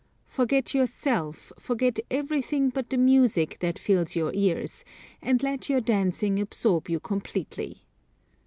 Forget yourself, forget everything but the music that fills your ears, and let your dancing absorb you completely.